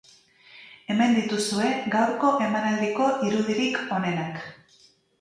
Hemen dituzue gaurko emanaldiko irudirik onenak.